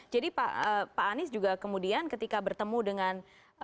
jadi pak anies juga kemudian ketika bertemu dengan